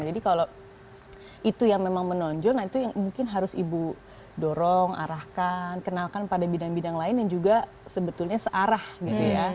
jadi kalau itu yang memang menonjol nah itu yang mungkin harus ibu dorong arahkan kenalkan pada bidang bidang lain yang juga sebetulnya searah gitu ya